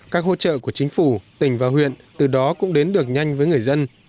các hỗ trợ của chính phủ tỉnh và huyện từ đó cũng đến được nhanh với người dân